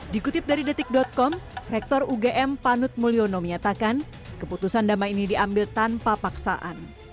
dikutip dari detik com rektor ugm panut mulyono menyatakan keputusan damai ini diambil tanpa paksaan